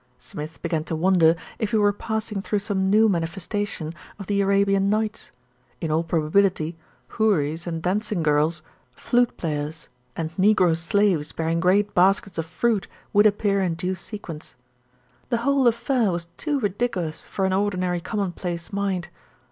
Smith began to wonder if he were passing through some new manifestation of the Arabian Nights. In all proba A QUESTION OF IDENTITY 33 bility houris and dancing girls, flute players and negro slaves bearing great baskets of fruit would appear in due sequence. The whole affair was too ridiculous for an ordinary common place mind.